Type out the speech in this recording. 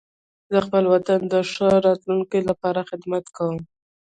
زه خپل وطن د ښه راتلونکي لپاره خدمت کوم.